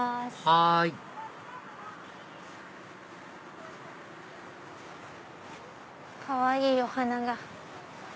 はいかわいいお花が。